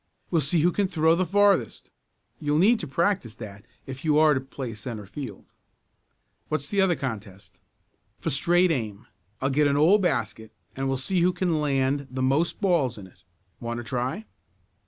We'll see who can throw the farthest. You'll need to practice that if you are to play centre field." "What's the other contest?" "For straight aim. I'll get an old basket, and we'll see who can land the most balls in it. Want to try?"